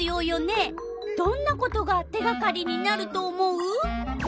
どんなことが手がかりになると思う？